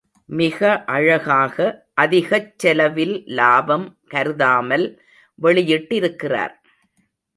மிக அழகாக அதிகச் செலவில் லாபம் கருதாமல் வெளியிட்டிருக்கிறார்.